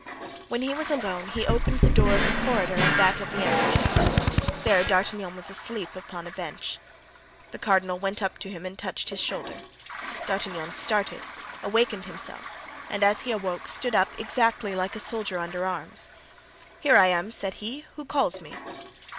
When he was alone he opened the door of the corridor and then that of the ante chamber. There D'Artagnan was asleep upon a bench. The cardinal went up to him and touched his shoulder. D'Artagnan started, awakened himself, and as he awoke, stood up exactly like a soldier under arms. "Here I am," said he. "Who calls me?"